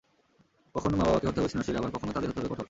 কখনো মা-বাবাকে হতে হবে স্নেহশীল আবার কখনো তাঁদের হতে হবে কঠোর।